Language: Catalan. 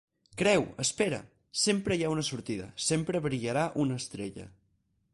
Creu! Espera! Sempre hi ha una sortida. Sempre brillarà una estrella.